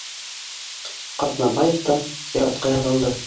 Ҡаҙнабаев та сиратҡа яҙылды